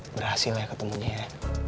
berhasil ya ketemunya ya